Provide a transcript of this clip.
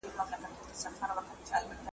زړه نازړه په شمار اخلي د لحد پر لور ګامونه `